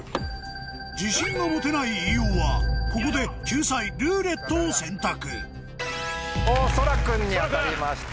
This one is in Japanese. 自信が持てない飯尾はここで救済「ルーレット」を選択そら君に当たりました。